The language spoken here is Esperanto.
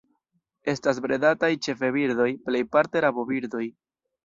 Estas bredataj ĉefe birdoj, plejparte rabobirdoj.